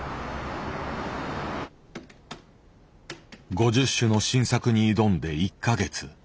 ５０首の新作に挑んで１か月。